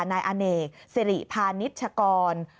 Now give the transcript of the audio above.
นายอเนกสิริพาณิชกร